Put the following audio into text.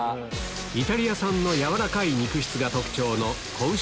イタリア産の軟らかい肉質が特徴の仔牛